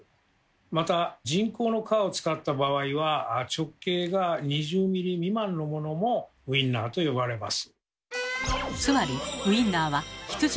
また人工の皮を使った場合は直径が２０ｍｍ未満のものもウインナーと呼ばれます。